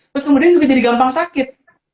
terus kemudian juga jadi gampang sakit